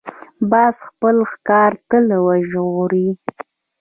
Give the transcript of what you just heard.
باز خپل ښکار تل وژغوري